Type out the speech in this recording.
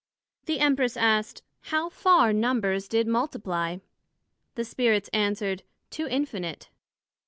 The Empress asked, how far Numbers did multiply? The Spirits answered, to Infinite.